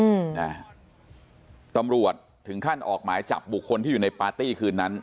อืมนะตำรวจถึงขั้นออกหมายจับบุคคลที่อยู่ในปาร์ตี้คืนนั้น